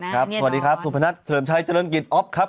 สวัสดีครับสุพนัทเสริมชัยเจริญกิจอ๊อฟครับ